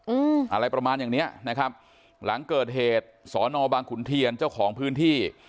อืมอะไรประมาณอย่างเนี้ยนะครับหลังเกิดเหตุสอนอบางขุนเทียนเจ้าของพื้นที่